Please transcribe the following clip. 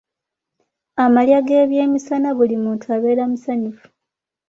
Amalya g'ebyemisana buli muntu abeera musanyufu.